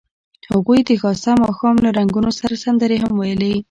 هغوی د ښایسته ماښام له رنګونو سره سندرې هم ویلې.